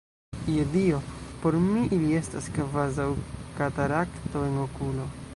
Je Dio, por mi ili estas kvazaŭ katarakto en okulo!